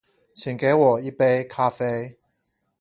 請給我一杯咖啡